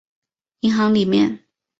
银行里面